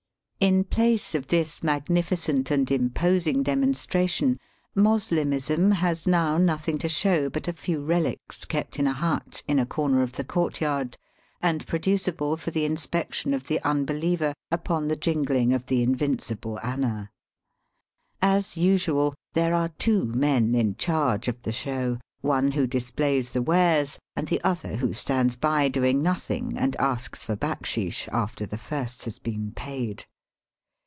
In place of this magnificent and imposing demonstration Moslemism has now nothing to show but a few relics kept in a hut in a comer of the courtyard, and producible for the in spection of the unbeliever upon the jingling of the invincible anna. As usual, there are two men in charge of the show, one who dis plays the wares, and the other who stands by doing nothing, and asks for backsheesh after the first has been paid.